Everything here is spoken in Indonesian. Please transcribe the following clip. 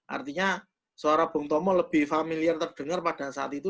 artinya suara bung tomo lebih familiar terdengar pada saat itu